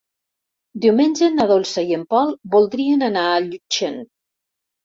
Diumenge na Dolça i en Pol voldrien anar a Llutxent.